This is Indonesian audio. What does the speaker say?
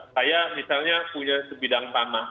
saya misalnya punya sebidang tanah